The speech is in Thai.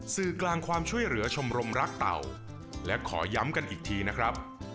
สื่อกลางความช่วยเหลือชมรมรักเต่าและขอย้ำกันอีกทีนะครับ